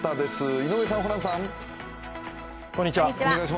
井上さん、ホランさん。